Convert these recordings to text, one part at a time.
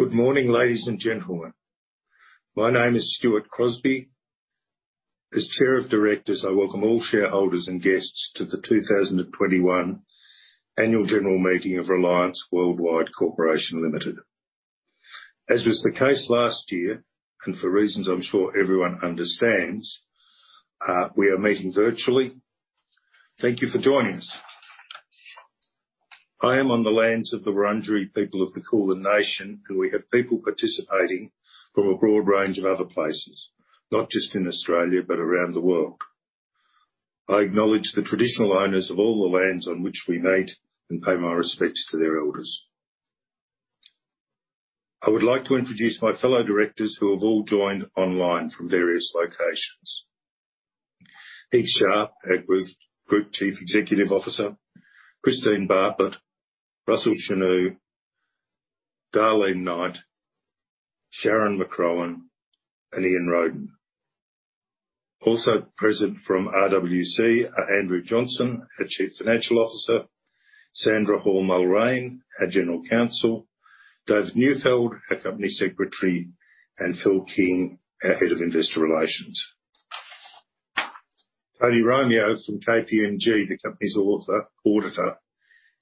Good morning, ladies and gentlemen. My name is Stuart Crosby. As Chair of Directors, I welcome all shareholders and guests to the 2021 annual general meeting of Reliance Worldwide Corporation Limited. As was the case last year, and for reasons I'm sure everyone understands, we are meeting virtually. Thank you for joining us. I am on the lands of the Wurundjeri people of the Kulin Nation, and we have people participating from a broad range of other places, not just in Australia, but around the world. I acknowledge the traditional owners of all the lands on which we meet, and pay my respects to their elders. I would like to introduce my fellow directors who have all joined online from various locations. Heath Sharp, our Group Chief Executive Officer, Christine Bartlett, Russell Chenu, Darlene Knight, Sharon McCrohan, and Ian Rowden. Present from RWC are Andrew Johnson, our Chief Financial Officer, Sandra Hall-Mulrain, our General Counsel, David Neufeld, our Company Secretary, and Phil King, our Head of Investor Relations. Tony Romeo from KPMG, the company's auditor,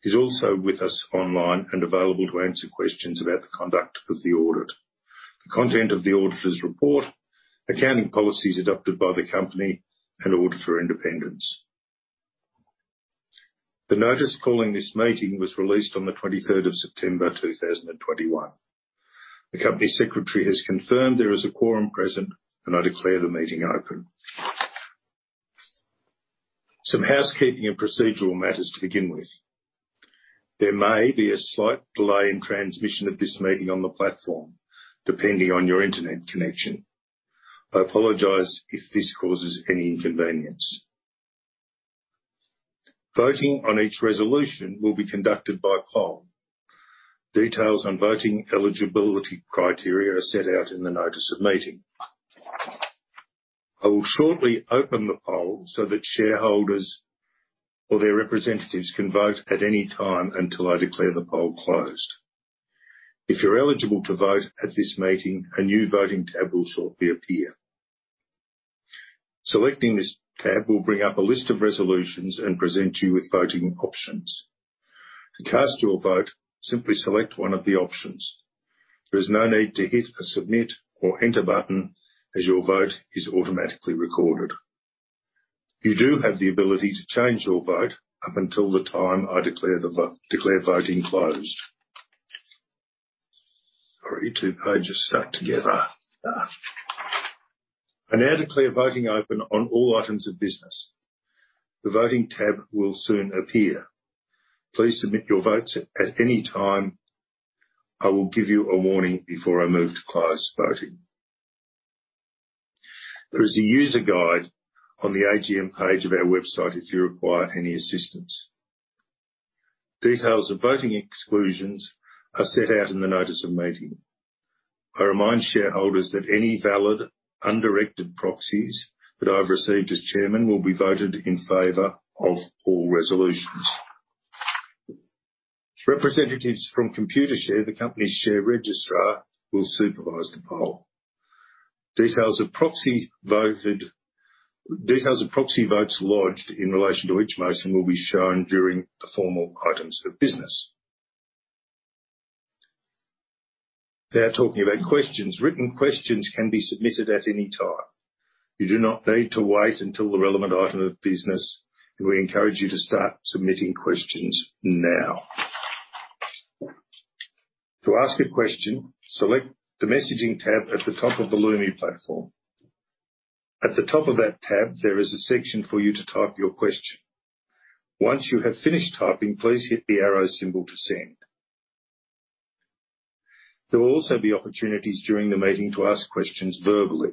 is also with us online and available to answer questions about the conduct of the audit, the content of the auditor's report, accounting policies adopted by the company and auditor independence. The notice calling this meeting was released on the 23rd of September 2021. The company secretary has confirmed there is a quorum present, and I declare the meeting open. Some housekeeping and procedural matters to begin with. There may be a slight delay in transmission of this meeting on the platform, depending on your internet connection. I apologize if this causes any inconvenience. Voting on each resolution will be conducted by poll. Details on voting eligibility criteria are set out in the notice of meeting. I will shortly open the poll so that shareholders or their representatives can vote at any time until I declare the poll closed. If you're eligible to vote at this meeting, a new voting tab will shortly appear. Selecting this tab will bring up a list of resolutions and present you with voting options. To cast your vote, simply select one of the options. There is no need to hit the Submit or Enter button, as your vote is automatically recorded. You do have the ability to change your vote up until the time I declare voting closed. Sorry, two pages stuck together. I now declare voting open on all items of business. The voting tab will soon appear. Please submit your votes at any time. I will give you a warning before I move to close voting. There is a user guide on the AGM page of our website if you require any assistance. Details of voting exclusions are set out in the notice of meeting. I remind shareholders that any valid undirected proxies that I've received as chairman will be voted in favor of all resolutions. Representatives from Computershare, the company's share registrar, will supervise the poll. Details of proxy votes lodged in relation to each motion will be shown during the formal items of business. Now talking about questions. Written questions can be submitted at any time. You do not need to wait until the relevant item of business, and we encourage you to start submitting questions now. To ask a question, select the Messaging tab at the top of the Lumi platform. At the top of that tab, there is a section for you to type your question. Once you have finished typing, please hit the arrow symbol to send. There will also be opportunities during the meeting to ask questions verbally.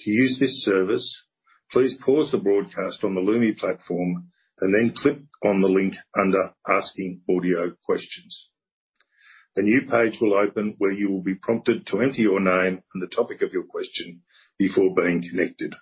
To use this service, please pause the broadcast on the Lumi platform and then click on the link under Asking Audio Questions. A new page will open where you will be prompted to enter your name and the topic of your question before being connected.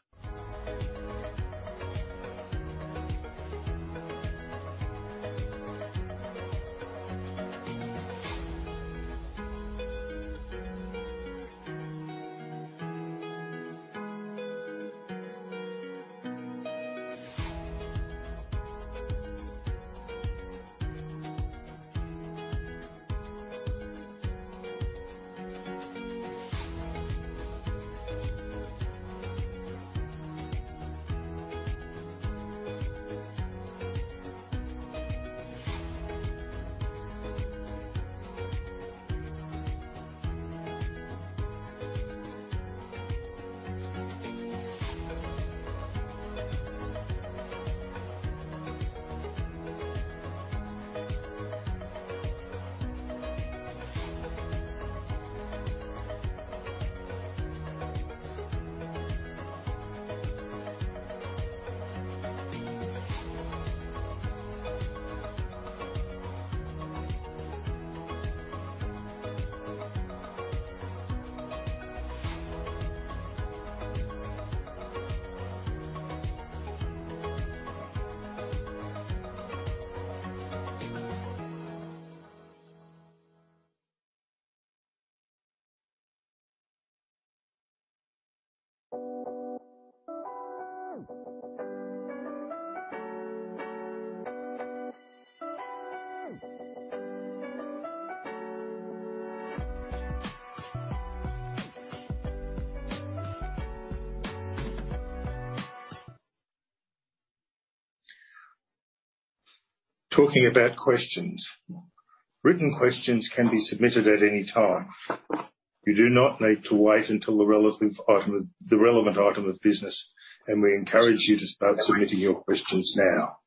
Talking about questions. Written questions can be submitted at any time. You do not need to wait until the relevant item of business, and we encourage you to start submitting your questions now.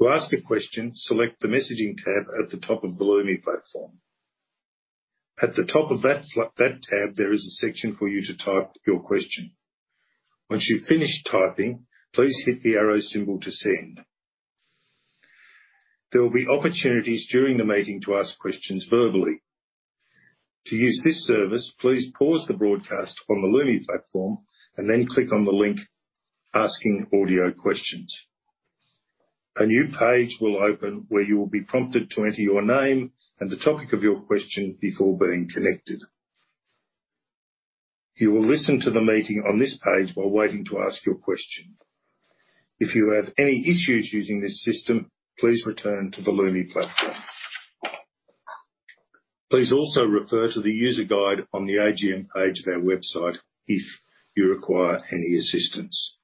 To ask a question, select the Messaging tab at the top of the Lumi platform. At the top of that tab, there is a section for you to type your question. Once you've finished typing, please hit the arrow symbol to send. There will be opportunities during the meeting to ask questions verbally. To use this service, please pause the broadcast on the Lumi platform and then click on the link Asking Audio Questions. A new page will open where you will be prompted to enter your name and the topic of your question before being connected. You will listen to the meeting on this page while waiting to ask your question. If you have any issues using this system, please return to the Lumi platform. Please also refer to the user guide on the AGM page of our website if you require any assistance.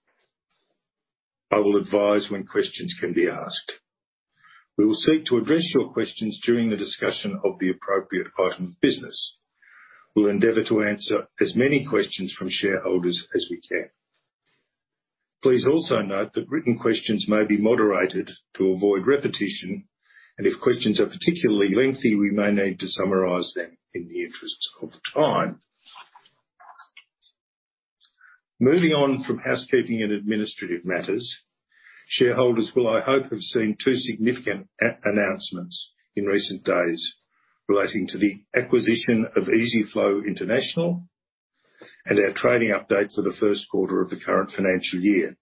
I will advise when questions can be asked. We will seek to address your questions during the discussion of the appropriate item of business. We'll endeavor to answer as many questions from shareholders as we can. Please also note that written questions may be moderated to avoid repetition, and if questions are particularly lengthy, we may need to summarize them in the interest of time. Moving on from housekeeping and administrative matters. Shareholders will, I hope, have seen two significant announcements in recent days relating to the acquisition of EZ-FLO International and our trading update for the first quarter of the current financial year.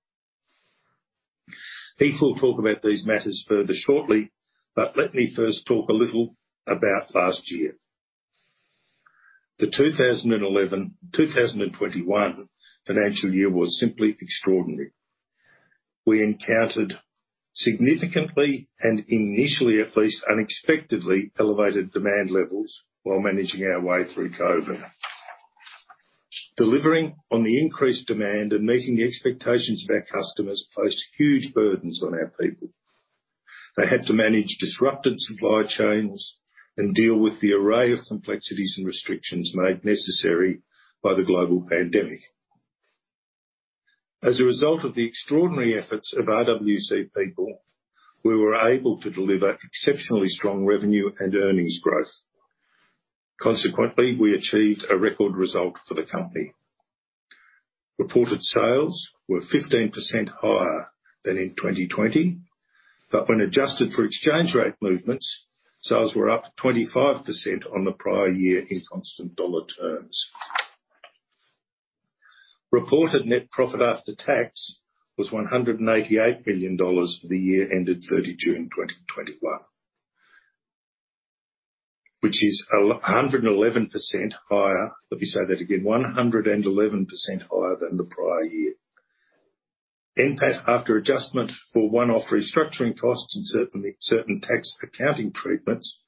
Heath will talk about these matters further shortly but let me first talk a little about last year. The 2021 financial year was simply extraordinary. We encountered significantly and initially, at least unexpectedly, elevated demand levels while managing our way through COVID. Delivering on the increased demand and meeting the expectations of our customers placed huge burdens on our people. They had to manage disrupted supply chains and deal with the array of complexities and restrictions made necessary by the global pandemic. As a result of the extraordinary efforts of RWC people, we were able to deliver exceptionally strong revenue and earnings growth. Consequently, we achieved a record result for the company. Reported sales were 15% higher than in 2020, but when adjusted for exchange rate movements, sales were up 25% on the prior year in constant dollar terms. Reported net profit after tax was 188 million dollars for the year ended 30th June 2021, which is a hundred and 111% higher. Let me say that again. One hundred and 111% higher than the prior year. NPAT, after adjustment for one-off restructuring costs and certain tax accounting treatments,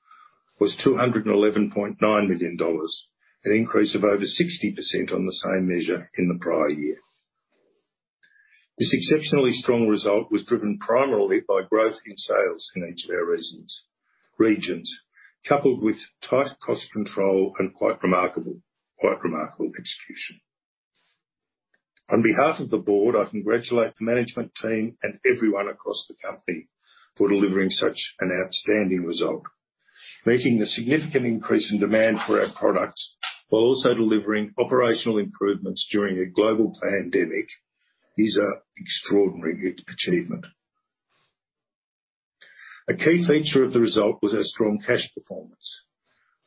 was 211.9 million dollars, an increase of over 60% on the same measure in the prior year. This exceptionally strong result was driven primarily by growth in sales in each of our regions, coupled with tight cost control and quite remarkable execution. On behalf of the board, I congratulate the management team and everyone across the company for delivering such an outstanding result. Meeting the significant increase in demand for our products while also delivering operational improvements during a global pandemic is an extraordinary achievement. A key feature of the result was our strong cash performance,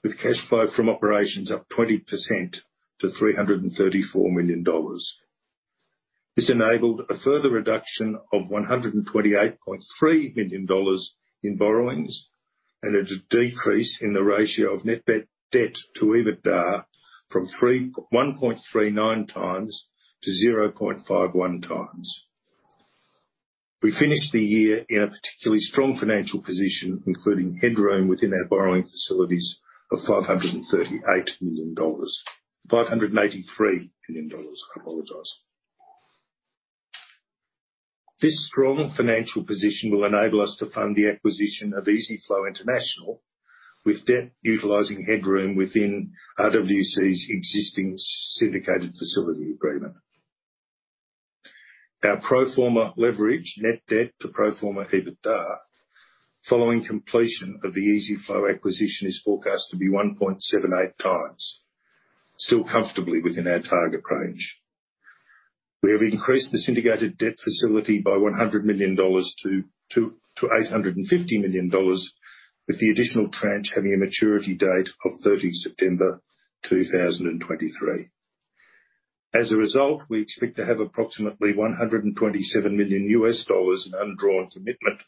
with cash flow from operations up 20% to 334 million dollars. This enabled a further reduction of $128.3 million in borrowings and a decrease in the ratio of net debt to EBITDA from 1.39x to 0.51x. We finished the year in a particularly strong financial position, including headroom within our borrowing facilities of $538 million. $583 million, I apologize. This strong financial position will enable us to fund the acquisition of EZ-FLO International with debt, utilizing headroom within RWC's existing syndicated facility agreement. Our pro forma leverage, net debt to pro forma EBITDA, following completion of the EZ-FLO acquisition, is forecast to be 1.78x. Still comfortably within our target range. We have increased the syndicated debt facility by $100 million to $850 million, with the additional tranche having a maturity date of 30th September 2023. As a result, we expect to have approximately $127 million in undrawn commitment,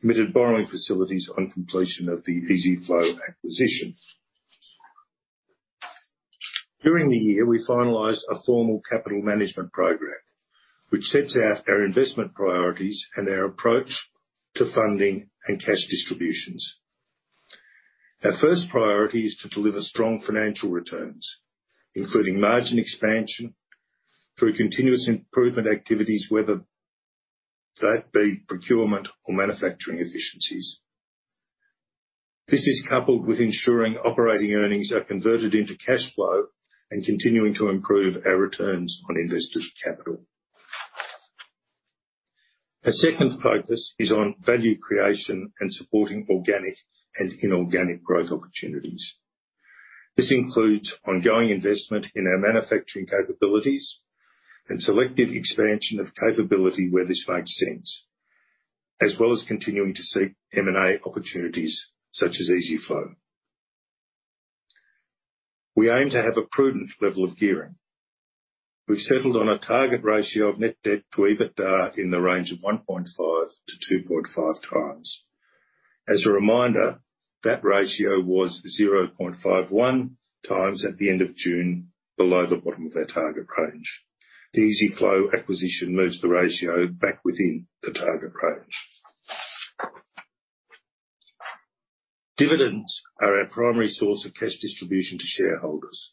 committed borrowing facilities on completion of the EZ-FLO acquisition. During the year, we finalized a formal capital management program which sets out our investment priorities and our approach to funding and cash distributions. Our first priority is to deliver strong financial returns, including margin expansion through continuous improvement activities, whether that be procurement or manufacturing efficiencies. This is coupled with ensuring operating earnings are converted into cash flow and continuing to improve our returns on investors' capital. Our second focus is on value creation and supporting organic and inorganic growth opportunities. This includes ongoing investment in our manufacturing capabilities and selective expansion of capability where this makes sense, as well as continuing to seek M&A opportunities such as EZ-FLO. We aim to have a prudent level of gearing. We've settled on a target ratio of net debt to EBITDA in the range of 1.5x-2.5x. As a reminder, that ratio was 0.51x at the end of June, below the bottom of our target range. The EZ-FLO acquisition moves the ratio back within the target range. Dividends are our primary source of cash distribution to shareholders,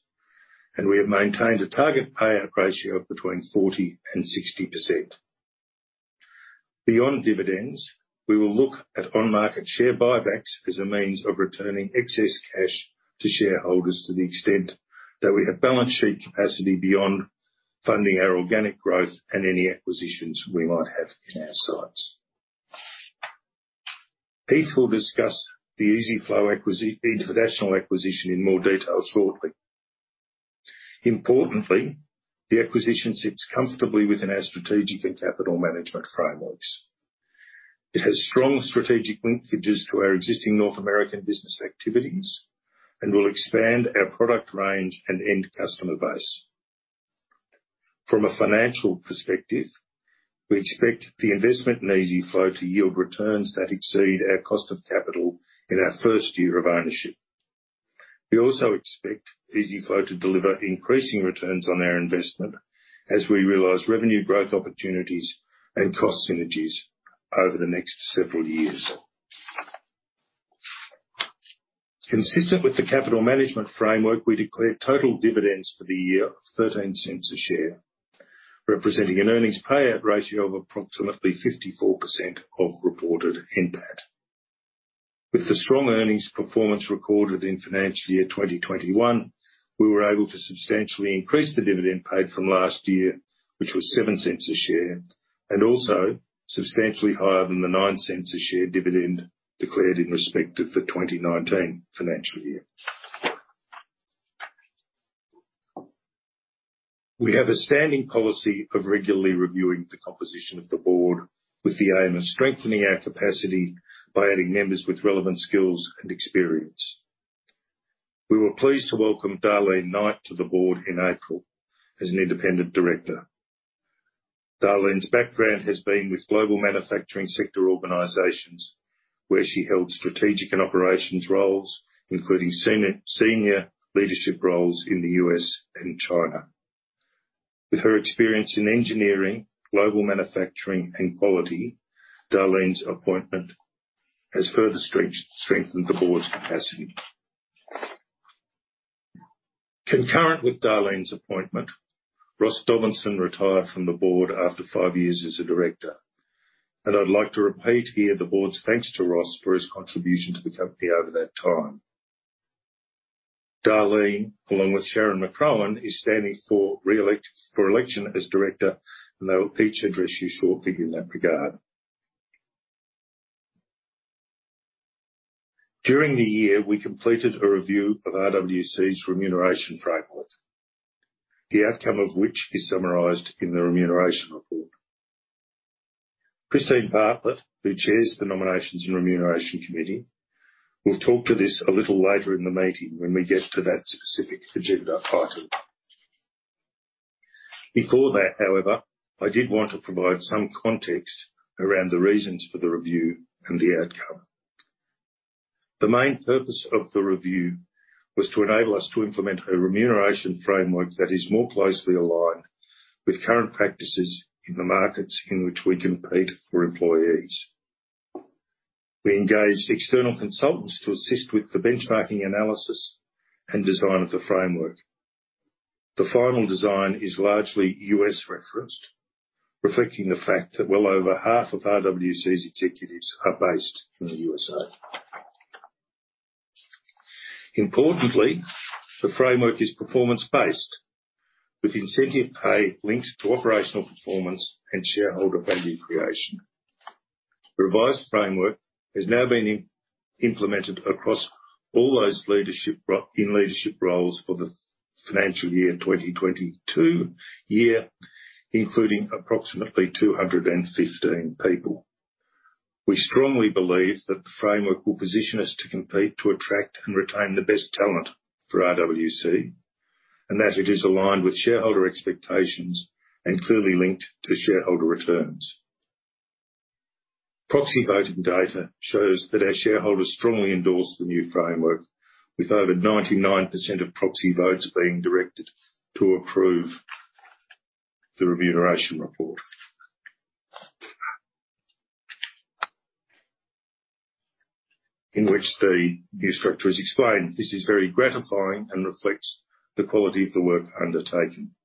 and we have maintained a target payout ratio of between 40% and 60%. Beyond dividends, we will look at on-market share buybacks as a means of returning excess cash to shareholders to the extent that we have balance sheet capacity beyond funding our organic growth and any acquisitions we might have in our sights. Heath will discuss the EZ-FLO International acquisition in more detail shortly. Importantly, the acquisition sits comfortably within our strategic and capital management frameworks. It has strong strategic linkages to our existing North American business activities and will expand our product range and end customer base. From a financial perspective, we expect the investment in EZ-FLO to yield returns that exceed our cost of capital in our first year of ownership. We also expect EZ-FLO to deliver increasing returns on our investment as we realize revenue growth opportunities and cost synergies over the next several years. Consistent with the capital management framework, we declared total dividends for the year of 0.13 a share, representing an earnings payout ratio of approximately 54% of reported NPAT. With the strong earnings performance recorded in financial year 2021, we were able to substantially increase the dividend paid from last year, which was 0.07 a share, and also substantially higher than the 0.09 a share dividend declared in respect of the 2019 financial year. We have a standing policy of regularly reviewing the composition of the board with the aim of strengthening our capacity by adding members with relevant skills and experience. We were pleased to welcome Darlene Knight to the board in April as an independent director. Darlene's background has been with global manufacturing sector organizations, where she held strategic and operations roles, including senior leadership roles in the U.S. and China. With her experience in engineering, global manufacturing, and quality, Darlene's appointment has further strengthened the board's capacity. Concurrent with Darlene's appointment, Ross Dobinson retired from the board after five years as a director, and I'd like to repeat here the board's thanks to Ross for his contribution to the company over that time. Darlene, along with Sharon McCrohan, is standing for election as director, and they will each address you shortly in that regard. During the year, we completed a review of RWC's remuneration framework, the outcome of which is summarized in the remuneration report. Christine Bartlett, who chairs the Nomination and Remuneration Committee, will talk to this a little later in the meeting when we get to that specific agenda item. Before that, however, I did want to provide some context around the reasons for the review and the outcome. The main purpose of the review was to enable us to implement a remuneration framework that is more closely aligned with current practices in the markets in which we compete for employees. We engaged external consultants to assist with the benchmarking analysis and design of the framework. The final design is largely U.S.-referenced, reflecting the fact that well over half of RWC's executives are based in the U.S. Importantly, the framework is performance-based with incentive pay linked to operational performance and shareholder value creation. The revised framework has now been implemented across all those in leadership roles for the financial year 2022, including approximately 216 people. We strongly believe that the framework will position us to compete, to attract and retain the best talent for RWC, and that it is aligned with shareholder expectations and clearly linked to shareholder returns. Proxy voting data shows that our shareholders strongly endorse the new framework, with over 99% of proxy votes being directed to approve the remuneration report, in which the new structure is explained. This is very gratifying and reflects the quality of the work undertaken.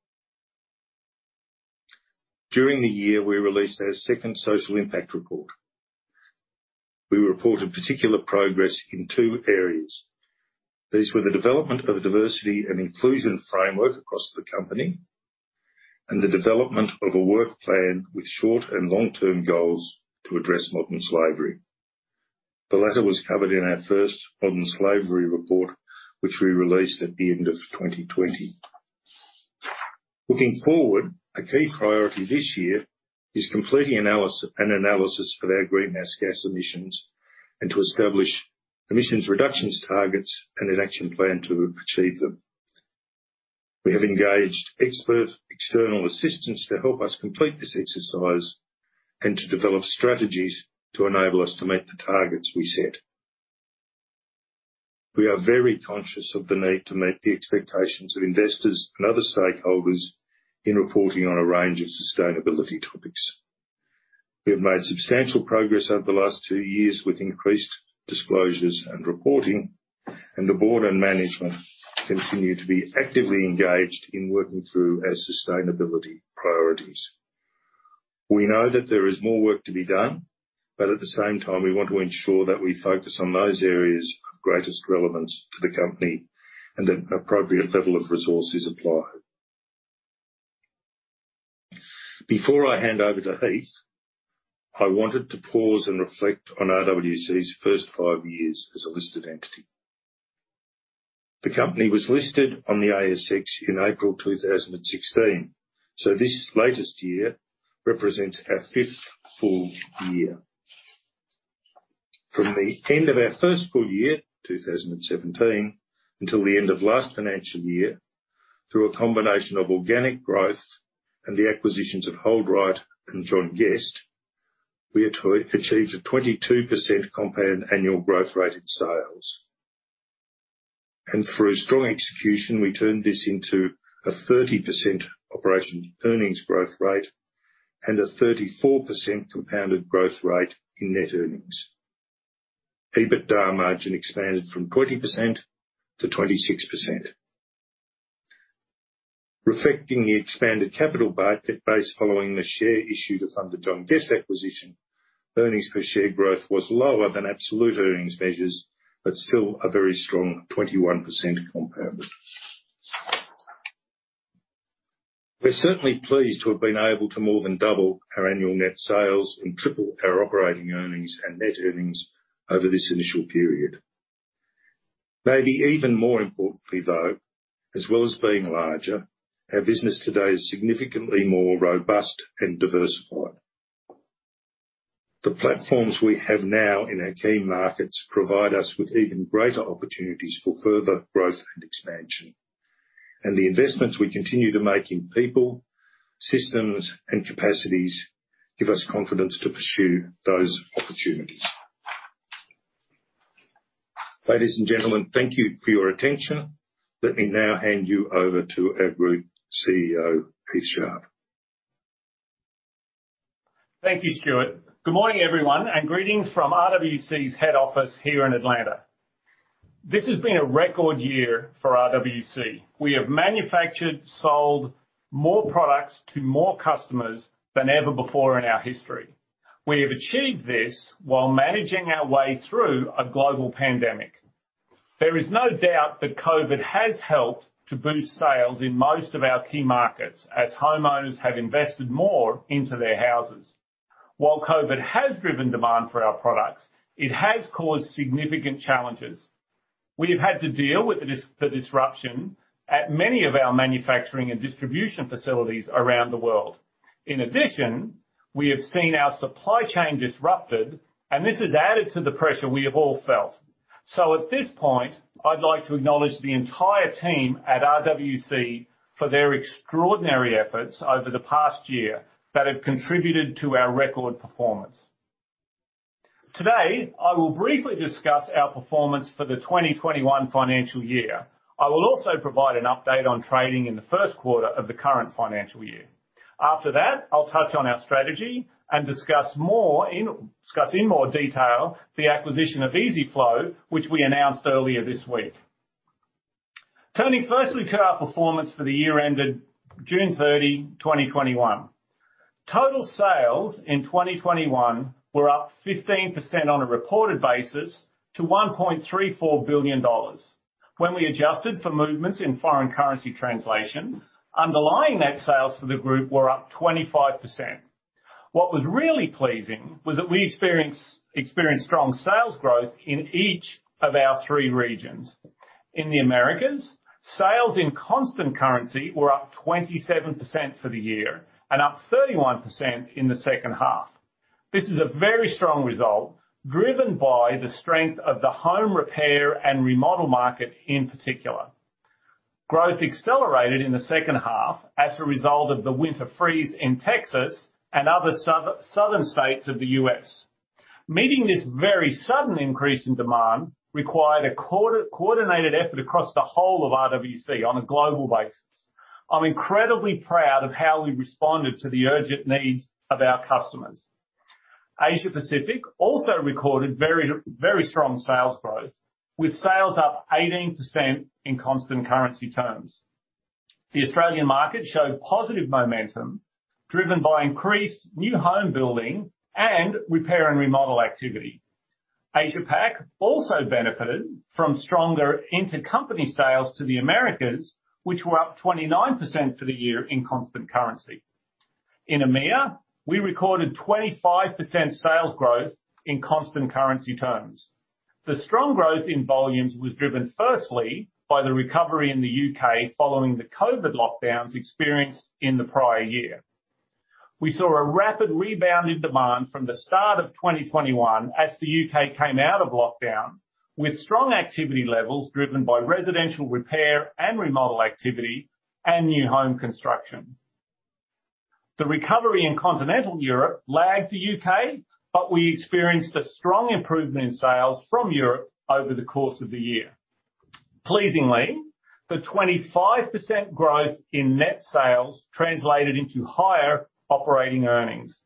During the year, we released our second social impact report. We reported particular progress in two areas. These were the development of a diversity and inclusion framework across the company, and the development of a work plan with short and long-term goals to address modern slavery. The latter was covered in our first modern slavery report, which we released at the end of 2020. Looking forward, a key priority this year is completing an analysis of our greenhouse gas emissions and to establish emissions reductions targets and an action plan to achieve them. We have engaged expert external assistance to help us complete this exercise and to develop strategies to enable us to meet the targets we set. We are very conscious of the need to meet the expectations of investors and other stakeholders in reporting on a range of sustainability topics. We have made substantial progress over the last two years with increased disclosures and reporting, and the board and management continue to be actively engaged in working through our sustainability priorities. We know that there is more work to be done, but at the same time, we want to ensure that we focus on those areas of greatest relevance to the company and that appropriate level of resource is applied. Before I hand over to Heath, I wanted to pause and reflect on RWC's first five years as a listed entity. The company was listed on the ASX in April 2016, so this latest year represents our fifth full year. From the end of our first full year, 2017, until the end of last financial year, through a combination of organic growth and the acquisitions of HoldRite and John Guest, we achieved a 22% compound annual growth rate in sales. Through strong execution, we turned this into a 30% operating earnings growth rate and a 34% compounded growth rate in net earnings. EBITDA margin expanded from 20% to 26%. Reflecting the expanded capital base following the share issue to fund the John Guest acquisition, earnings per share growth was lower than absolute earnings measures, but still a very strong 21% compounded. We're certainly pleased to have been able to more than double our annual net sales and triple our operating earnings and net earnings over this initial period. Maybe even more importantly, though, as well as being larger, our business today is significantly more robust and diversified. The platforms we have now in our key markets provide us with even greater opportunities for further growth and expansion. The investments we continue to make in people, systems, and capacities give us confidence to pursue those opportunities. Ladies and gentlemen, thank you for your attention. Let me now hand you over to our Group CEO, Heath Sharp. Thank you, Stuart. Good morning, everyone, and greetings from RWC's head office here in Atlanta. This has been a record year for RWC. We have manufactured, sold more products to more customers than ever before in our history. We have achieved this while managing our way through a global pandemic. There is no doubt that COVID has helped to boost sales in most of our key markets as homeowners have invested more into their houses. While COVID has driven demand for our products, it has caused significant challenges. We have had to deal with the disruption at many of our manufacturing and distribution facilities around the world. In addition, we have seen our supply chain disrupted, and this has added to the pressure we have all felt. At this point, I'd like to acknowledge the entire team at RWC for their extraordinary efforts over the past year that have contributed to our record performance. Today, I will briefly discuss our performance for the 2021 financial year. I will also provide an update on trading in the first quarter of the current financial year. After that, I'll touch on our strategy and discuss in more detail the acquisition of EZ-FLO, which we announced earlier this week. Turning firstly to our performance for the year ended June 30, 2021. Total sales in 2021 were up 15% on a reported basis to 1.34 billion dollars. When we adjusted for movements in foreign currency translation, underlying net sales for the group were up 25%. What was really pleasing was that we experienced strong sales growth in each of our three regions. In the Americas, sales in constant currency were up 27% for the year and up 31% in the second half. This is a very strong result, driven by the strength of the home repair and remodel market, in particular. Growth accelerated in the second half as a result of the winter freeze in Texas and other southern states of the U.S. Meeting this very sudden increase in demand required a coordinated effort across the whole of RWC on a global basis. I'm incredibly proud of how we responded to the urgent needs of our customers. Asia Pacific also recorded very strong sales growth, with sales up 18% in constant currency terms. The Australian market showed positive momentum, driven by increased new home building and repair and remodel activity. Asia Pac also benefited from stronger intercompany sales to the Americas, which were up 29% for the year in constant currency. In EMEA, we recorded 25% sales growth in constant currency terms. The strong growth in volumes was driven firstly by the recovery in the U.K. following the COVID lockdowns experienced in the prior year. We saw a rapid rebound in demand from the start of 2021 as the U.K. came out of lockdown, with strong activity levels driven by residential repair and remodel activity and new home construction. The recovery in Continental Europe lagged the U.K., but we experienced a strong improvement in sales from Europe over the course of the year. Pleasingly, the 25% growth in net sales translated into higher operating earnings.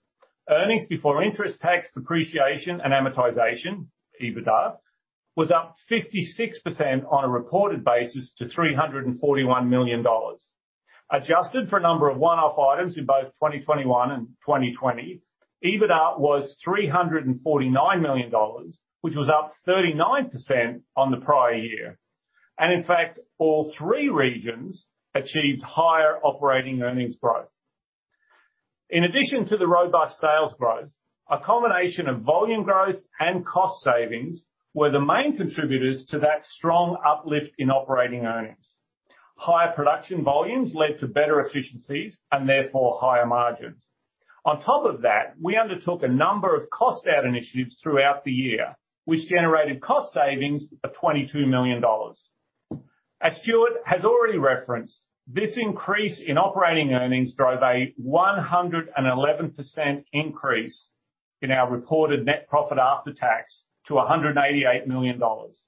Earnings before interest, tax, depreciation, and amortization, EBITDA, was up 56% on a reported basis to 341 million dollars. Adjusted for a number of one-off items in both 2021 and 2020, EBITDA was 349 million dollars, which was up 39% on the prior year. In fact, all three regions achieved higher operating earnings growth. In addition to the robust sales growth, a combination of volume growth and cost savings were the main contributors to that strong uplift in operating earnings. Higher production volumes led to better efficiencies and therefore higher margins. On top of that, we undertook a number of cost out initiatives throughout the year, which generated cost savings of 22 million dollars. As Stuart has already referenced, this increase in operating earnings drove a 111% increase in our reported net profit after tax to 188 million dollars.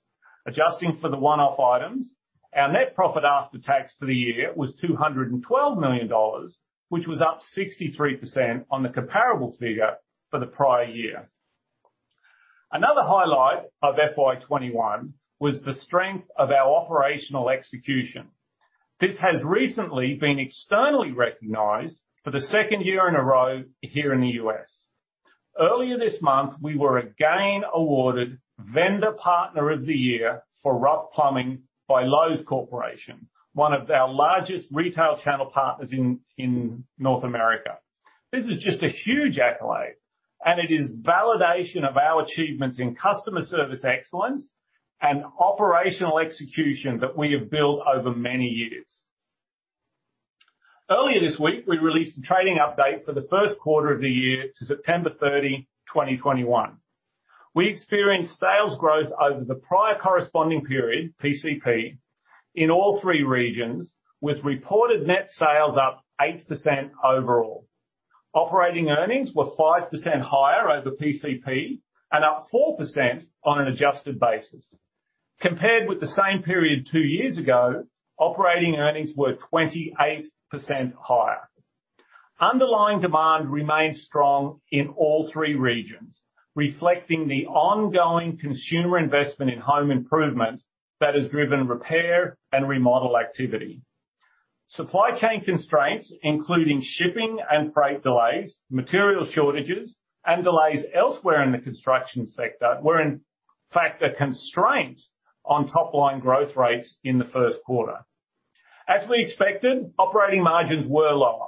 Adjusting for the one-off items, our net profit after tax for the year was 212 million dollars, which was up 63% on the comparable figure for the prior year. Another highlight of FY 2021 was the strength of our operational execution. This has recently been externally recognized for the second year in a row here in the U.S. Earlier this month, we were again awarded Vendor Partner of the Year for Rough Plumbing by Lowe's Companies, Inc., one of our largest retail channel partners in North America. This is just a huge accolade, and it is validation of our achievements in customer service excellence and operational execution that we have built over many years. Earlier this week, we released a trading update for the first quarter of the year to September 30, 2021. We experienced sales growth over the prior corresponding period, PCP, in all three regions, with reported net sales up 8% overall. Operating earnings were 5% higher over PCP and up 4% on an adjusted basis. Compared with the same period two years ago, operating earnings were 28% higher. Underlying demand remains strong in all three regions, reflecting the ongoing consumer investment in home improvement that has driven repair and remodel activity. Supply chain constraints, including shipping and freight delays, material shortages, and delays elsewhere in the construction sector, were in fact a constraint on top line growth rates in the first quarter. As we expected, operating margins were lower.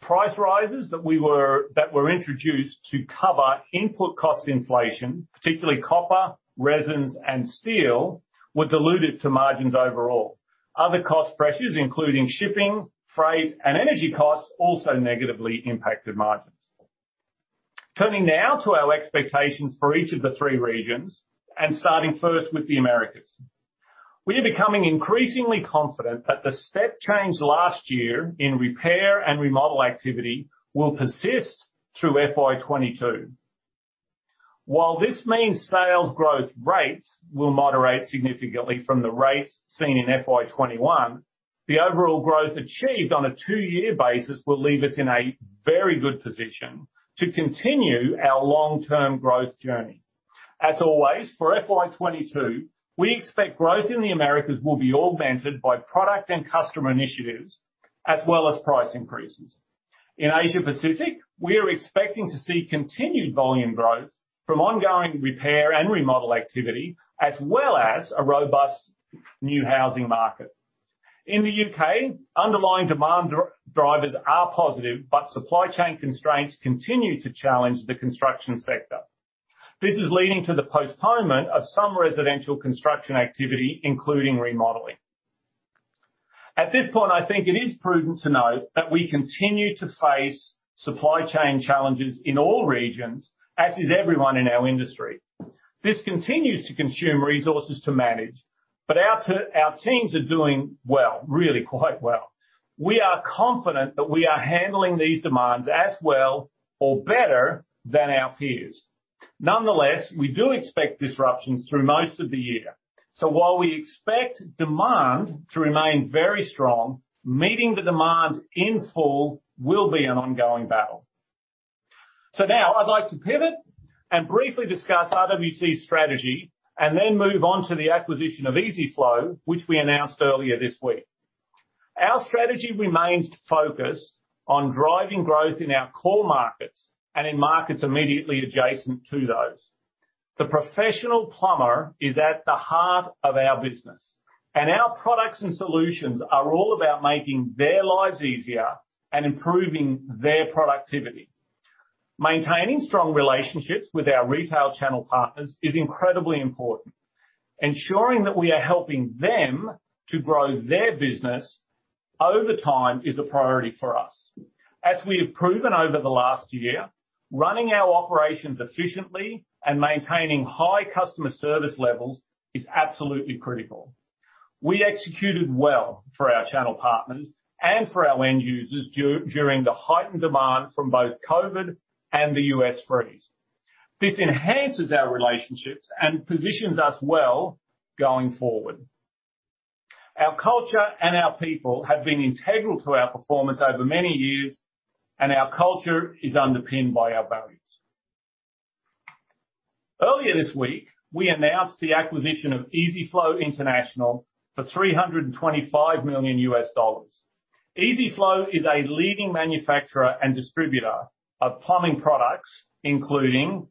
Price rises that were introduced to cover input cost inflation, particularly copper, resins, and steel, were dilutive to margins overall. Other cost pressures, including shipping, freight, and energy costs, also negatively impacted margins. Turning now to our expectations for each of the three regions, and starting first with the Americas. We are becoming increasingly confident that the step change last year in repair and remodel activity will persist through FY 2022. While this means sales growth rates will moderate significantly from the rates seen in FY 2021, the overall growth achieved on a two-year basis will leave us in a very good position to continue our long-term growth journey. As always, for FY 2022, we expect growth in the Americas will be augmented by product and customer initiatives as well as price increases. In Asia Pacific, we are expecting to see continued volume growth from ongoing repair and remodel activity, as well as a robust new housing market. In the U.K., underlying demand drivers are positive, but supply chain constraints continue to challenge the construction sector. This is leading to the postponement of some residential construction activity, including remodeling. At this point, I think it is prudent to note that we continue to face supply chain challenges in all regions, as is everyone in our industry. This continues to consume resources to manage, but our teams are doing well, really quite well. We are confident that we are handling these demands as well or better than our peers. Nonetheless, we do expect disruptions through most of the year. While we expect demand to remain very strong, meeting the demand in full will be an ongoing battle. Now I'd like to pivot and briefly discuss RWC's strategy and then move on to the acquisition of EZ-FLO, which we announced earlier this week. Our strategy remains focused on driving growth in our core markets and in markets immediately adjacent to those. The professional plumber is at the heart of our business, and our products and solutions are all about making their lives easier and improving their productivity. Maintaining strong relationships with our retail channel partners is incredibly important. Ensuring that we are helping them to grow their business over time is a priority for us. As we have proven over the last year, running our operations efficiently and maintaining high customer service levels is absolutely critical. We executed well for our channel partners and for our end users during the heightened demand from both COVID-19 and the U.S. freeze. This enhances our relationships and positions us well going forward. Our culture and our people have been integral to our performance over many years, and our culture is underpinned by our values. Earlier this week, we announced the acquisition of EZ-FLO International for $325 million. EZ-FLO is a leading manufacturer and distributor of plumbing products, including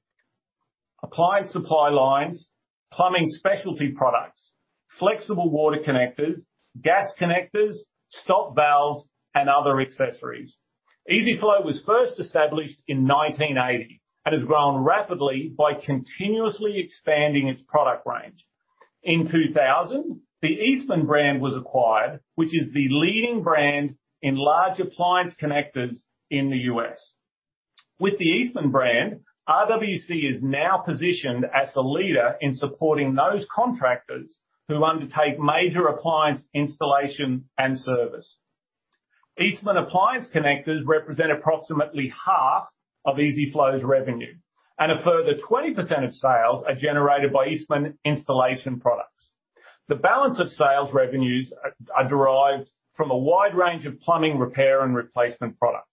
appliance supply lines, plumbing specialty products, flexible water connectors, gas connectors, stop valves, and other accessories. EZ-FLO was first established in 1980 and has grown rapidly by continuously expanding its product range. In 2000, the Eastman brand was acquired, which is the leading brand in large appliance connectors in the U.S. With the Eastman brand, RWC is now positioned as the leader in supporting those contractors who undertake major appliance installation and service. Eastman Appliance Connectors represent approximately half of EZ-FLO's revenue, and a further 20% of sales are generated by Eastman installation products. The balance of sales revenues are derived from a wide range of plumbing repair and replacement products.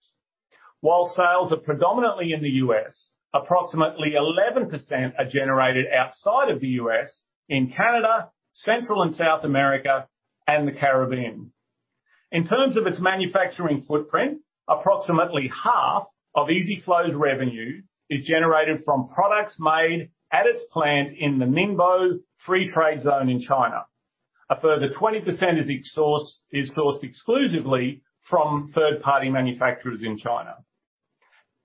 While sales are predominantly in the U.S., approximately 11% are generated outside of the U.S., in Canada, Central and South America, and the Caribbean. In terms of its manufacturing footprint, approximately half of EZ-FLO's revenue is generated from products made at its plant in the Ningbo Free Trade Zone in China. A further 20% is sourced exclusively from third-party manufacturers in China.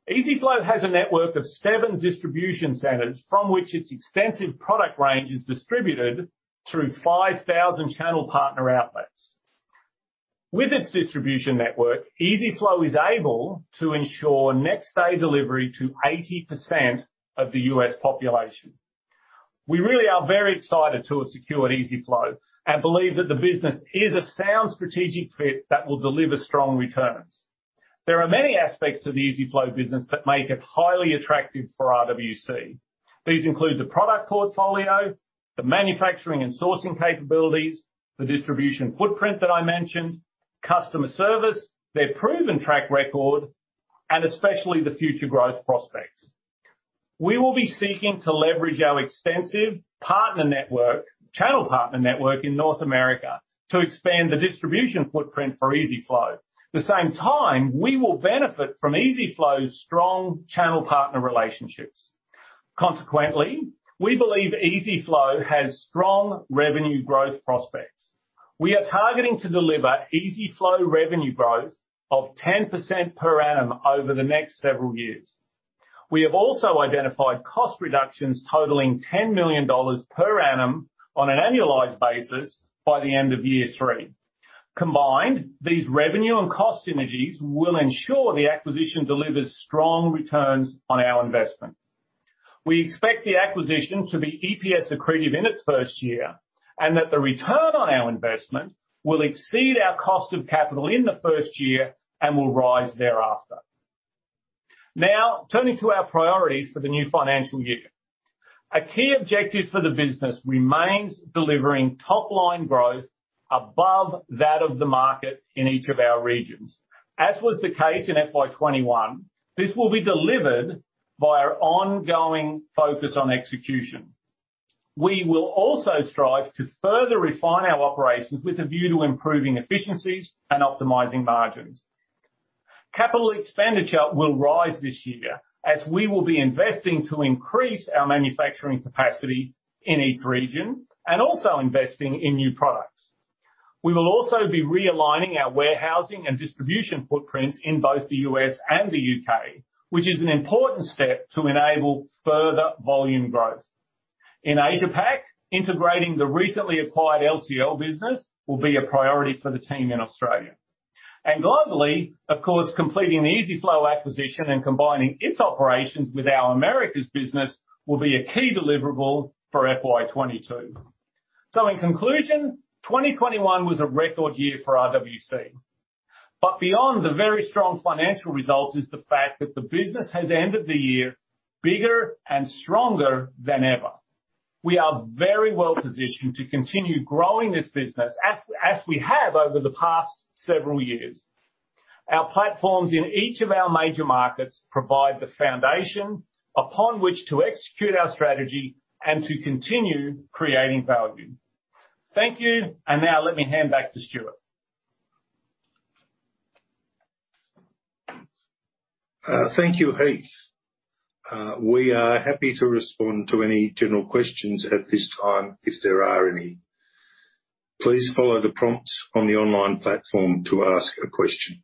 EZ-FLO has a network of seven distribution centers from which its extensive product range is distributed through 5,000 channel partner outlets. With this distribution network, EZ-FLO is able to ensure next day delivery to 80% of the U.S. population. We really are very excited to have secured EZ-FLO and believe that the business is a sound strategic fit that will deliver strong returns. There are many aspects to the EZ-FLO business that make it highly attractive for RWC. These include the product portfolio, the manufacturing and sourcing capabilities, the distribution footprint that I mentioned, customer service, their proven track record, and especially the future growth prospects. We will be seeking to leverage our extensive channel partner network in North America to expand the distribution footprint for EZ-FLO. At the same time, we will benefit from EZ-FLO's strong channel partner relationships. Consequently, we believe EZ-FLO has strong revenue growth prospects. We are targeting to deliver EZ-FLO revenue growth of 10% per annum over the next several years. We have also identified cost reductions totaling 10 million dollars per annum on an annualized basis by the end of year three. Combined, these revenue and cost synergies will ensure the acquisition delivers strong returns on our investment. We expect the acquisition to be EPS accretive in its first year, and that the return on our investment will exceed our cost of capital in the first year and will rise thereafter. Now, turning to our priorities for the new financial year. A key objective for the business remains delivering top-line growth above that of the market in each of our regions. As was the case in FY 2021, this will be delivered by our ongoing focus on execution. We will also strive to further refine our operations with a view to improving efficiencies and optimizing margins. Capital expenditure will rise this year as we will be investing to increase our manufacturing capacity in each region and also investing in new products. We will also be realigning our warehousing and distribution footprints in both the U.S. and the U.K., which is an important step to enable further volume growth. In AsiaPac, integrating the recently acquired LCL business will be a priority for the team in Australia. Globally, of course, completing the EZ-FLO acquisition and combining its operations with our America's business will be a key deliverable for FY 2022. In conclusion, 2021 was a record year for RWC. But beyond the very strong financial results is the fact that the business has ended the year bigger and stronger than ever. We are very well positioned to continue growing this business as we have over the past several years. Our platforms in each of our major markets provide the foundation upon which to execute our strategy and to continue creating value. Thank you. Now let me hand back to Stuart. Thank you, Heath. We are happy to respond to any general questions at this time, if there are any. Please follow the prompts on the online platform to ask a question.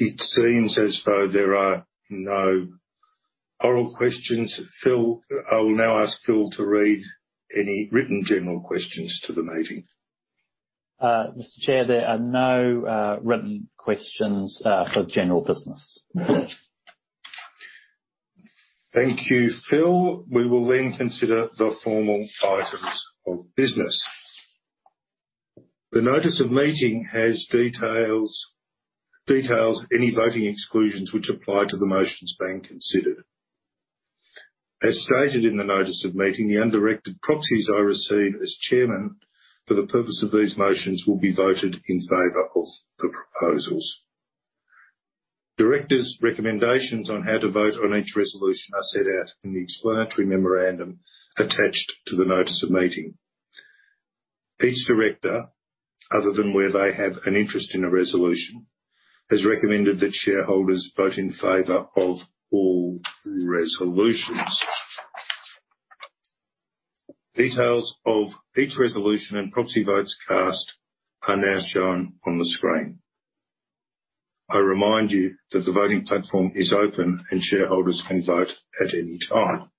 It seems as though there are no oral questions. I will now ask Phil to read any written general questions to the meeting. Mr. Chair, there are no written questions for general business. Thank you, Phil. We will then consider the formal items of business. The notice of meeting has details of any voting exclusions which apply to the motions being considered. As stated in the notice of meeting, the undirected proxies I received as chairman for the purpose of these motions will be voted in favor of the proposals. Directors' recommendations on how to vote on each resolution are set out in the explanatory memorandum attached to the notice of meeting. Each director, other than where they have an interest in a resolution, has recommended that shareholders vote in favor of all resolutions. Details of each resolution and proxy votes cast are now shown on the screen. I remind you that the voting platform is open and shareholders can vote at any time.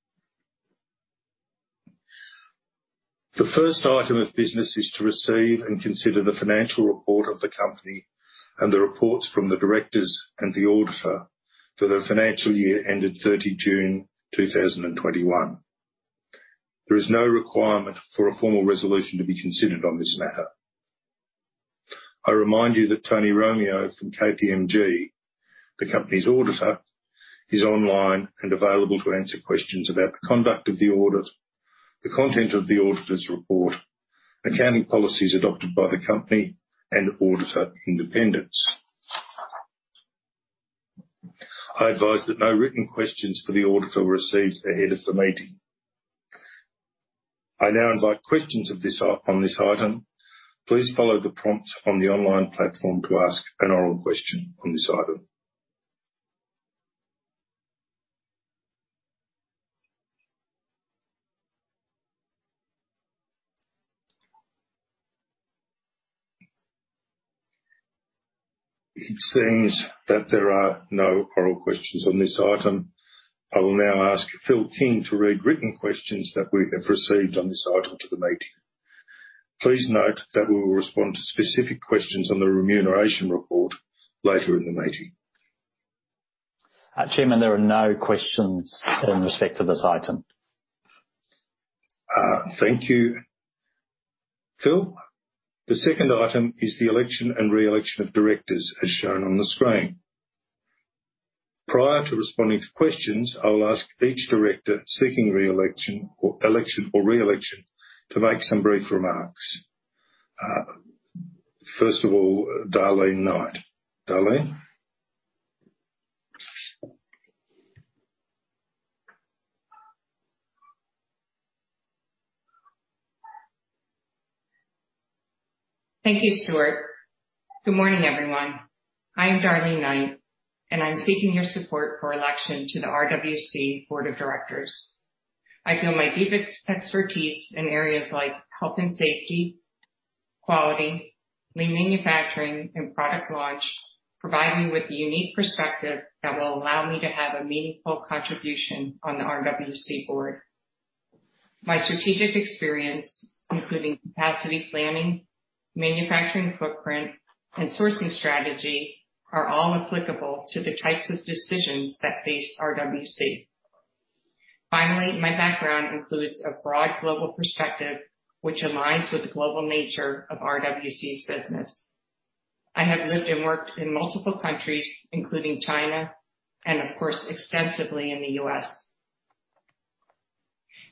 The first item of business is to receive and consider the financial report of the company and the reports from the directors and the auditor for the financial year ended 30 June 2021. There is no requirement for a formal resolution to be considered on this matter. I remind you that Tony Romeo from KPMG, the company's auditor, is online and available to answer questions about the conduct of the audit, the content of the auditor's report, accounting policies adopted by the company and auditor independence. I advise that no written questions for the auditor were received ahead of the meeting. I now invite questions on this item. Please follow the prompts on the online platform to ask an oral question on this item. It seems that there are no oral questions on this item. I will now ask Phil King to read written questions that we have received on this item to the meeting. Please note that we will respond to specific questions on the remuneration report later in the meeting. Chairman, there are no questions in respect to this item. Thank you, Phil. The second item is the election and reelection of directors as shown on the screen. Prior to responding to questions, I will ask each director seeking reelection or election or reelection to make some brief remarks. First of all, Darlene Knight. Darlene. Thank you, Stuart. Good morning, everyone. I'm Darlene Knight, and I'm seeking your support for election to the RWC Board of Directors. I feel my deep expertise in areas like health and safety, quality, lean manufacturing, and product launch provide me with a unique perspective that will allow me to have a meaningful contribution on the RWC Board. My strategic experience, including capacity planning, manufacturing footprint, and sourcing strategy, are all applicable to the types of decisions that face RWC. Finally, my background includes a broad global perspective, which aligns with the global nature of RWC's business. I have lived and worked in multiple countries, including China and of course, extensively in the U.S.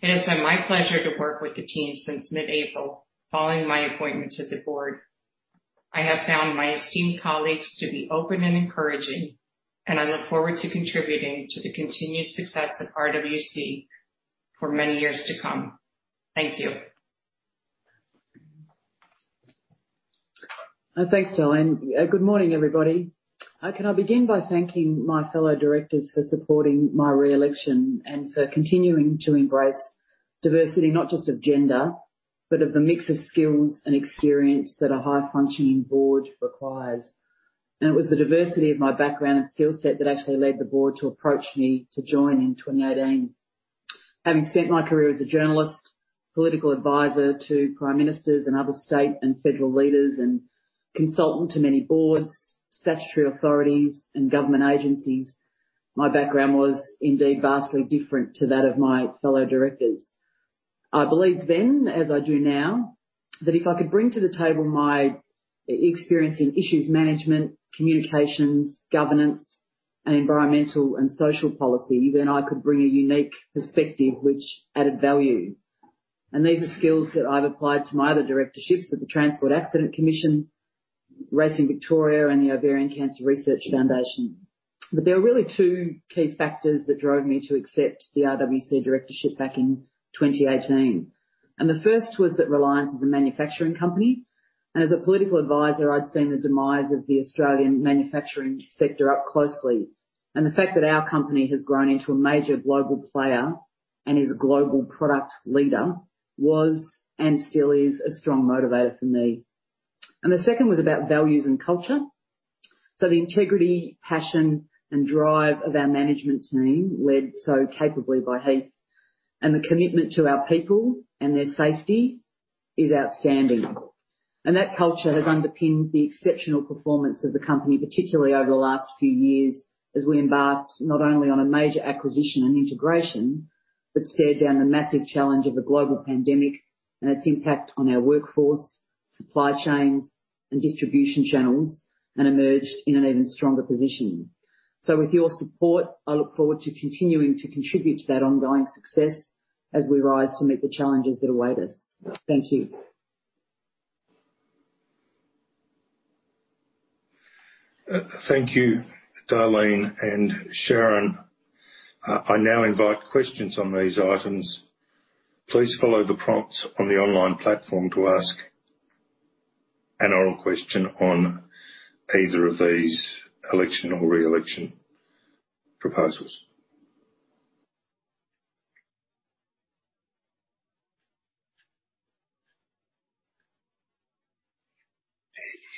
It has been my pleasure to work with the team since mid-April following my appointment to the board. I have found my esteemed colleagues to be open and encouraging, and I look forward to contributing to the continued success of RWC for many years to come. Thank you. Thanks, Darlene. Good morning, everybody. Can I begin by thanking my fellow directors for supporting my re-election and for continuing to embrace diversity, not just of gender, but of the mix of skills and experience that a high-functioning board requires. It was the diversity of my background and skill set that actually led the board to approach me to join in 2018. Having spent my career as a journalist, political advisor to prime ministers and other state and federal leaders and consultant to many boards, statutory authorities and government agencies, my background was indeed vastly different to that of my fellow directors. I believed then, as I do now, that if I could bring to the table my experience in issues management, communications, governance and environmental and social policy then I could bring a unique perspective which added value. These are skills that I've applied to my other directorships at the Transport Accident Commission, Racing Victoria and the Ovarian Cancer Research Foundation. There are really two key factors that drove me to accept the RWC directorship back in 2018. The first was that Reliance is a manufacturing company. As a political advisor, I'd seen the demise of the Australian manufacturing sector up closely. The fact that our company has grown into a major global player and is a global product leader was and still is a strong motivator for me. The second was about values and culture. The integrity, passion and drive of our management team led so capably by Heath and the commitment to our people and their safety is outstanding. That culture has underpinned the exceptional performance of the company, particularly over the last few years as we embarked not only on a major acquisition and integration, but stared down the massive challenge of a global pandemic and its impact on our workforce, supply chains and distribution channels, and emerged in an even stronger position. With your support, I look forward to continuing to contribute to that ongoing success as we rise to meet the challenges that await us. Thank you. Thank you, Darlene and Sharon. I now invite questions on these items. Please follow the prompts on the online platform to ask an oral question on either of these election or re-election proposals.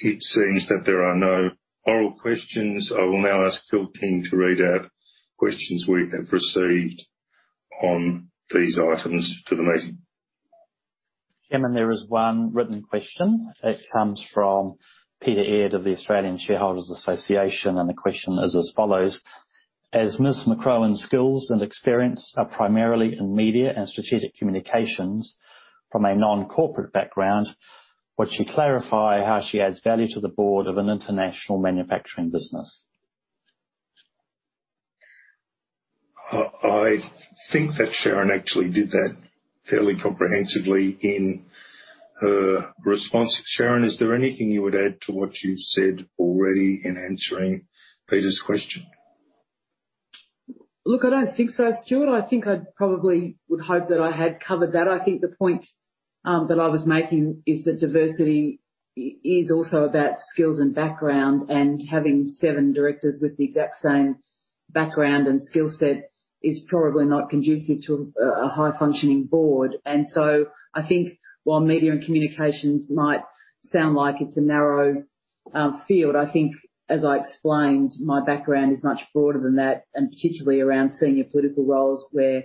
It seems that there are no oral questions. I will now ask Phil King to read out questions we have received on these items for the meeting. Chairman, there is one written question. It comes from Peter Aird of the Australian Shareholders' Association, and the question is as follows: As Ms. McCrohan's skills and experience are primarily in media and strategic communications from a non-corporate background, would she clarify how she adds value to the board of an international manufacturing business? I think that Sharon actually did that fairly comprehensively in her response. Sharon, is there anything you would add to what you've said already in answering Peter's question? Look, I don't think so, Stuart. I think I probably would hope that I had covered that. I think the point, that I was making is that diversity is also about skills and background, and having seven directors with the exact same background and skill set is probably not conducive to a high functioning board. I think while media and communications might sound like it's a narrow field, I think as I explained, my background is much broader than that, and particularly around senior political roles where,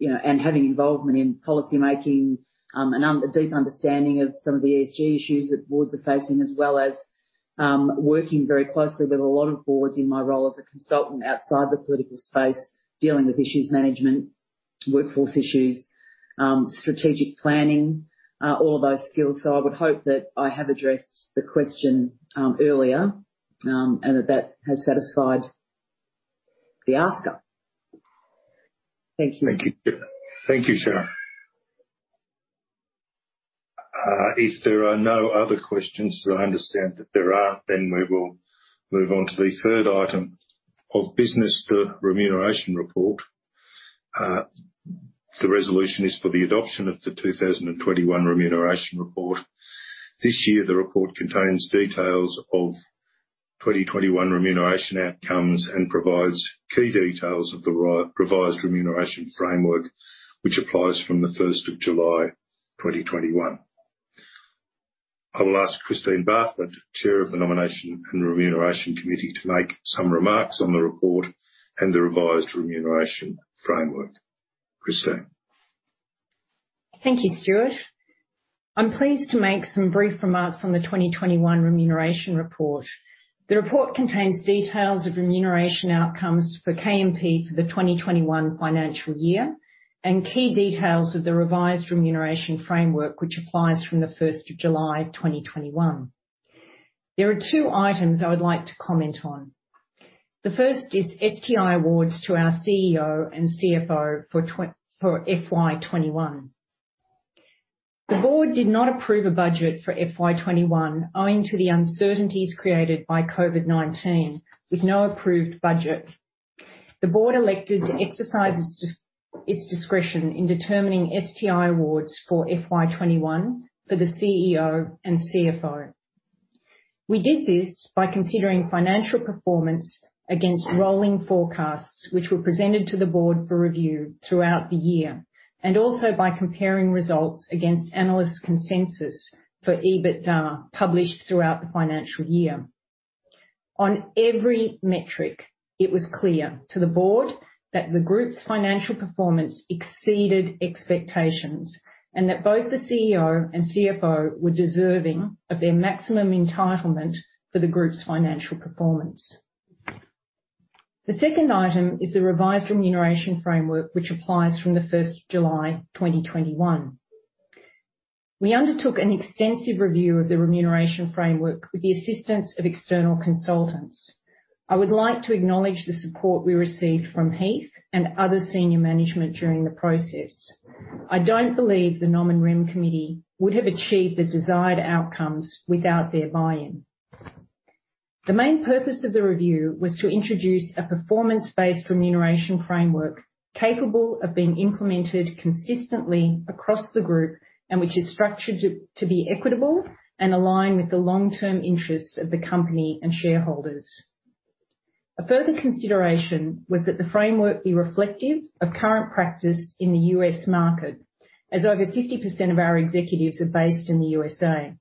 you know, and having involvement in policymaking, and a deep understanding of some of the ESG issues that boards are facing, as well as working very closely with a lot of boards in my role as a consultant outside the political space, dealing with issues management, workforce issues, strategic planning, all of those skills. I would hope that I have addressed the question earlier, and that that has satisfied the asker. Thank you. Thank you. Thank you, Sharon McCrohan. If there are no other questions and I understand that there are, then we will move on to the third item of business, the remuneration report. The resolution is for the adoption of the 2021 remuneration report. This year, the report contains details of 2021 remuneration outcomes and provides key details of the revised remuneration framework, which applies from July 1, 2021. I will ask Christine Bartlett, Chair of the Nomination and Remuneration Committee, to make some remarks on the report and the revised remuneration framework. Christine. Thank you, Stuart. I'm pleased to make some brief remarks on the 2021 remuneration report. The report contains details of remuneration outcomes for KMP for the 2021 financial year and key details of the revised remuneration framework which applies from July 1, 2021. There are two items I would like to comment on. The first is STI awards to our CEO and CFO for FY 2021. The board did not approve a budget for FY 2021 owing to the uncertainties created by COVID-19, with no approved budget. The board elected to exercise its discretion in determining STI awards for FY 2021 for the CEO and CFO. We did this by considering financial performance against rolling forecasts, which were presented to the board for review throughout the year, and also by comparing results against analyst consensus for EBITDA published throughout the financial year. On every metric, it was clear to the board that the group's financial performance exceeded expectations, and that both the CEO and CFO were deserving of their maximum entitlement for the group's financial performance. The second item is the revised remuneration framework, which applies from July 1, 2021. We undertook an extensive review of the remuneration framework with the assistance of external consultants. I would like to acknowledge the support we received from Heath and other senior management during the process. I don't believe the NominRem committee would have achieved the desired outcomes without their buy-in. The main purpose of the review was to introduce a performance-based remuneration framework capable of being implemented consistently across the group and which is structured to be equitable and align with the long-term interests of the company and shareholders. A further consideration was that the framework be reflective of current practice in the U.S. market, as over 50% of our executives are based in the U.S.A.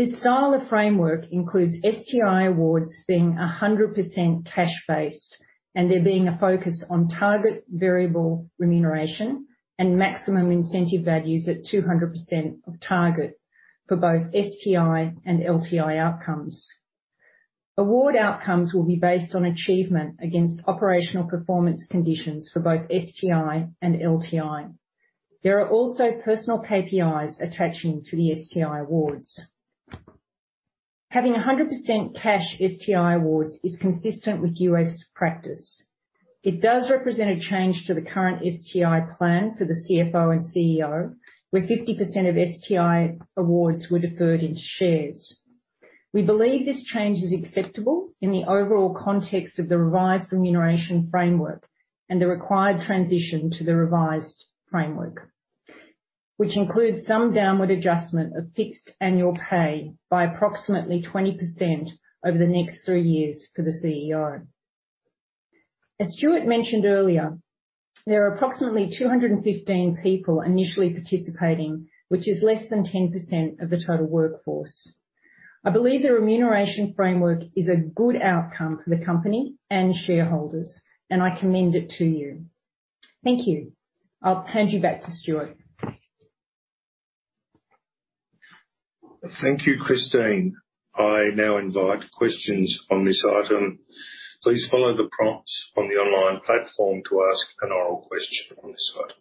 This style of framework includes STI awards being 100% cash based and there being a focus on target variable remuneration and maximum incentive values at 200% of target for both STI and LTI outcomes. Award outcomes will be based on achievement against operational performance conditions for both STI and LTI. There are also personal KPIs attaching to the STI awards. Having 100% cash STI awards is consistent with U.S. practice. It does represent a change to the current STI plan for the CFO and CEO, where 50% of STI awards were deferred in shares. We believe this change is acceptable in the overall context of the revised remuneration framework and the required transition to the revised framework, which includes some downward adjustment of fixed annual pay by approximately 20% over the next three years for the CEO. As Stuart mentioned earlier, there are approximately 215 people initially participating, which is less than 10% of the total workforce. I believe the remuneration framework is a good outcome for the company and shareholders, and I commend it to you. Thank you. I'll hand you back to Stuart. Thank you, Christine. I now invite questions on this item. Please follow the prompts on the online platform to ask an oral question on this item.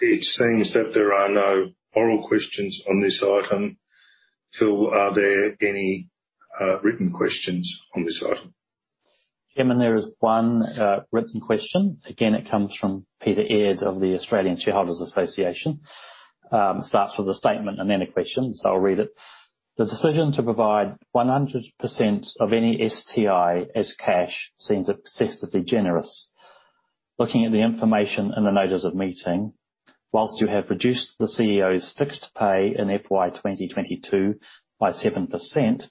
It seems that there are no oral questions on this item. Phil, are there any written questions on this item? Chairman, there is one written question. Again, it comes from Peter Aird of the Australian Shareholders' Association. It starts with a statement and then a question, so I'll read it. The decision to provide 100% of any STI as cash seems excessively generous. Looking at the information in the notice of meeting, while you have reduced the CEO's fixed pay in FY 2022 by 7%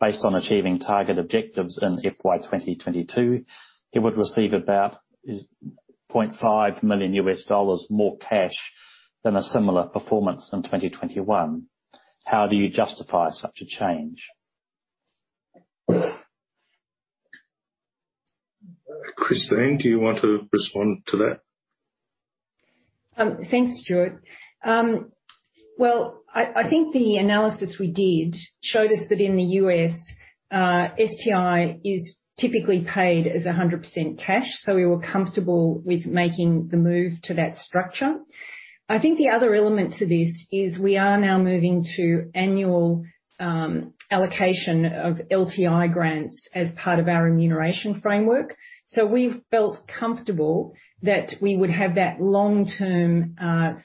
based on achieving target objectives in FY 2022, he would receive about $0.5 million more cash than a similar performance in 2021. How do you justify such a change? Christine, do you want to respond to that? Thanks, Stuart. Well, I think the analysis we did showed us that in the U.S., STI is typically paid as 100% cash, so we were comfortable with making the move to that structure. I think the other element to this is we are now moving to annual allocation of LTI grants as part of our remuneration framework. We felt comfortable that we would have that long-term,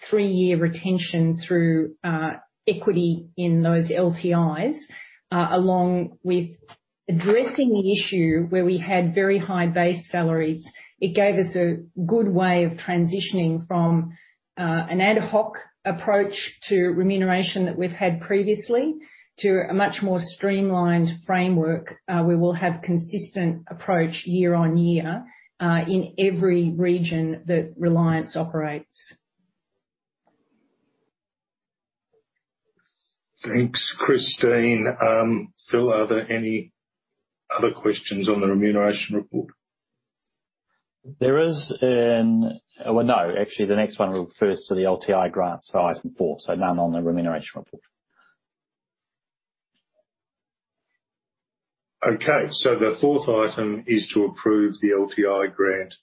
three-year retention through equity in those LTIs, along with addressing the issue where we had very high base salaries. It gave us a good way of transitioning from an ad hoc approach to remuneration that we've had previously to a much more streamlined framework. We will have consistent approach year-on-year in every region that Reliance operates. Thanks, Christine. Phil, are there any other questions on the remuneration report? Well, no. Actually, the next one refers to the LTI grant size in four, so none on the Remuneration Report. Okay. The fourth item is to approve the LTI grant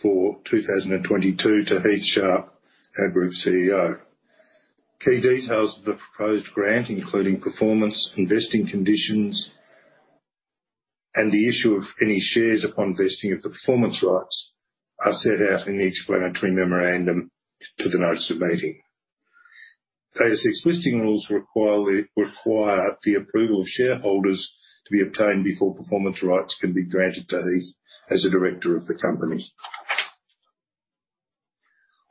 for 2022 to Heath Sharp, our Group CEO. Key details of the proposed grant, including performance, investing conditions, and the issue of any shares upon vesting of the performance rights are set out in the explanatory memorandum to the notice of meeting. ASX listing rules require the approval of shareholders to be obtained before performance rights can be granted to Heath as a director of the company.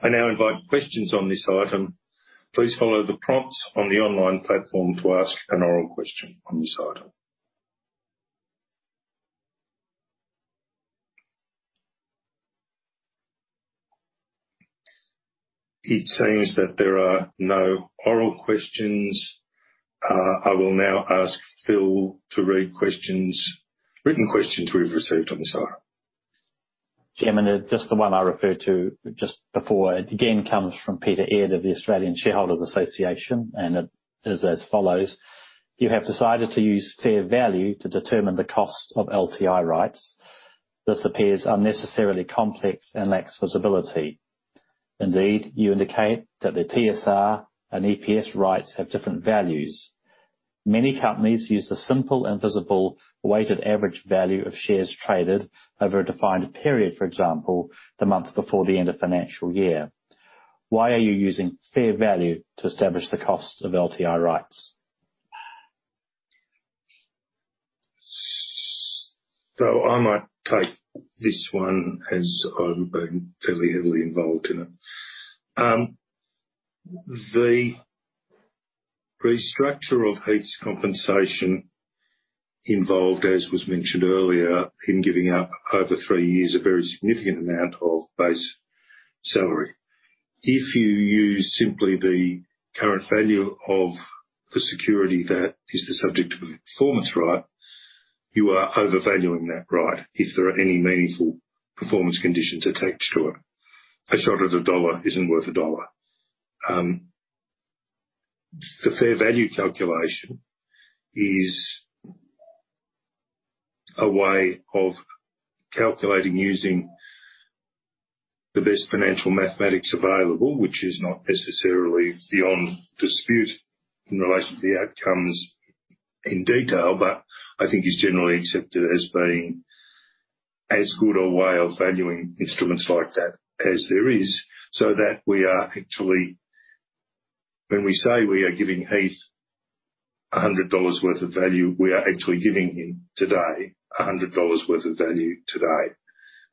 I now invite questions on this item. Please follow the prompts on the online platform to ask an oral question on this item. It seems that there are no oral questions. I will now ask Phil to read questions, written questions we've received on this item. Chairman, just the one I referred to just before. It again comes from Peter Aird of the Australian Shareholders' Association and it is as follows: You have decided to use fair value to determine the cost of LTI rights. This appears unnecessarily complex and lacks visibility. Indeed, you indicate that the TSR and EPS rights have different values. Many companies use the simple and visible weighted average value of shares traded over a defined period, for example, the month before the end of financial year. Why are you using fair value to establish the cost of LTI rights? I might take this one as I've been fairly heavily involved in it. The restructure of Heath's compensation involved, as was mentioned earlier, him giving up over three years a very significant amount of base salary. If you use simply the current value of the security that is the subject of a performance right, you are overvaluing that right if there are any meaningful performance conditions attached to it. A short of the dollar isn't worth a dollar. The fair value calculation is a way of calculating using the best financial mathematics available, which is not necessarily beyond dispute in relation to the outcomes in detail, but I think is generally accepted as being as good a way of valuing instruments like that as there is, so that we are actually. When we say we are giving Heath $100 worth of value, we are actually giving him today $100 worth of value today.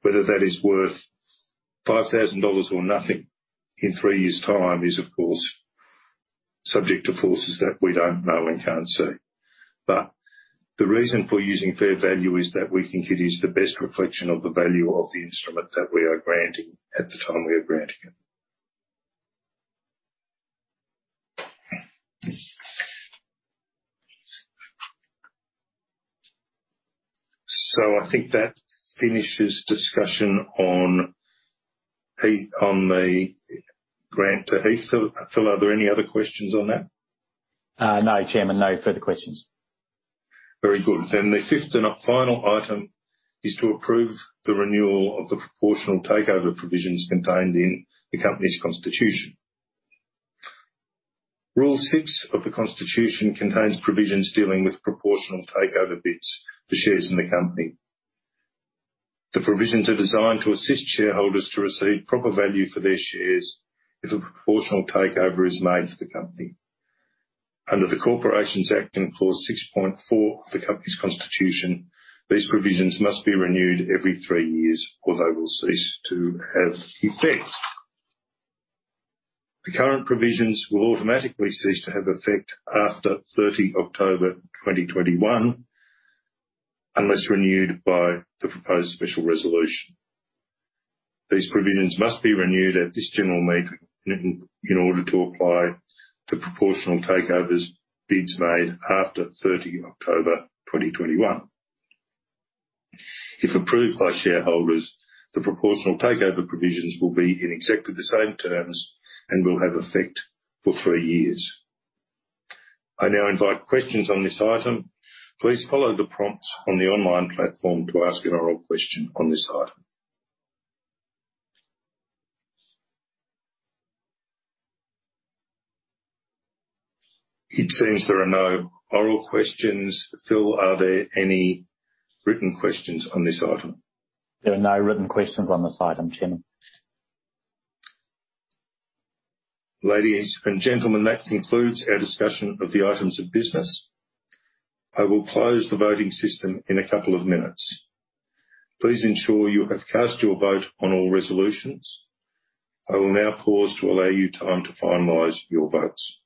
Whether that is worth $5,000 or nothing in three years' time is, of course, subject to forces that we don't know and can't see. But the reason for using fair value is that we think it is the best reflection of the value of the instrument that we are granting at the time we are granting it. I think that finishes discussion on Heath, on the grant to Heath. Phil, are there any other questions on that? No, Chairman. No further questions. Very good. The fifth and final item is to approve the renewal of the proportional takeover provisions contained in the company's constitution. Rule six of the Constitution contains provisions dealing with proportional takeover bids for shares in the company. The provisions are designed to assist shareholders to receive proper value for their shares if a proportional takeover is made for the company. Under the Corporations Act and clause 6.4 of the company's constitution, these provisions must be renewed every three years or they will cease to have effect. The current provisions will automatically cease to have effect after 30 October 2021, unless renewed by the proposed special resolution. These provisions must be renewed at this general meeting in order to apply to proportional takeover bids made after 30 October 2021. If approved by shareholders, the proportional takeover provisions will be in exactly the same terms and will have effect for three years. I now invite questions on this item. Please follow the prompts on the online platform to ask an oral question on this item. It seems there are no oral questions. Phil, are there any written questions on this item? There are no written questions on this item, Chairman. Ladies and gentlemen, that concludes our discussion of the items of business. I will close the voting system in a couple of minutes. Please ensure you have cast your vote on all resolutions. I will now pause to allow you time to finalize your votes.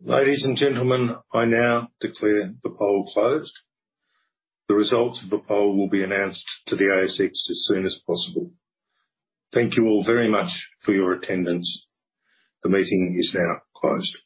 Ladies and gentlemen, I now declare the poll closed. The results of the poll will be announced to the ASX as soon as possible. Thank you all very much for your attendance. The meeting is now closed.